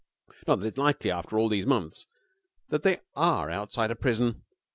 Not that it's likely after all these months that they are outside a prison.